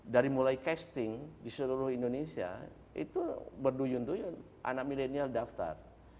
dari mulai casting di seluruh indonesia itu berduyun duyun anak milenial daftar